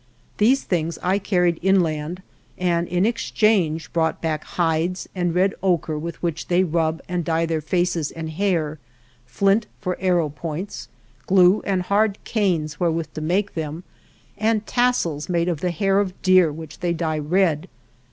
These things I carried inland, and in exchange brought back hides and red ochre with which they rub and dye their faces and hair; flint for arrow points, glue and hard canes where with to make them, and tassels made of the hair of deer, which they dye red.